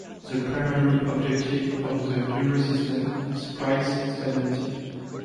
The primary objective of the Eurosystem is price stability.